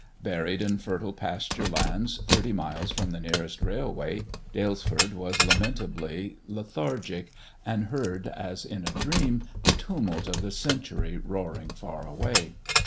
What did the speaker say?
Buried in fertile pasture lands thirty miles from the nearest railway, Dalesford was lamentably lethargic, and heard as in a dream the t\imult of the century roaring far away.